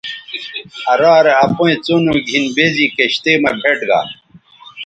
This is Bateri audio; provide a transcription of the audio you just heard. آ رارے اپئیں څنو گِھن بے زی کشتئ مہ بھئیٹ گا